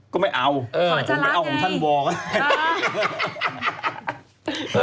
ก็ไม่เอาขออาจารย์รักไงขออาจารย์รักแล้วอย่างนี้